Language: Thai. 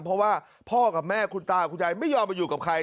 เพราะว่าพ่อกับแม่คุณตาคุณยายไม่ยอมไปอยู่กับใคร